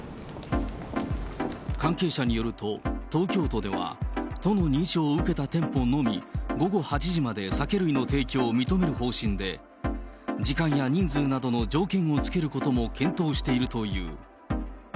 関係者によると、東京都では、都の認証を受けた店舗のみ、午後８時まで酒類の提供を認める方針で、時間や人数などの条件を付けることも検討しているという。